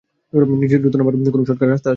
নিচে দ্রুত নামার কোনও শর্টকার্ট রাস্তা আছে?